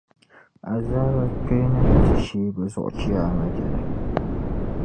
Azaaba kpeeni ni ti sheei bɛ zuɣu chiyaama dali.